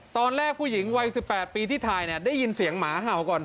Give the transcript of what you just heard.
ตอนแรกผู้หญิงวัย๑๘ปีที่ถ่ายเนี่ยได้ยินเสียงหมาเห่าก่อน